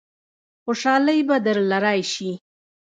خوشالۍ به درله رايشي.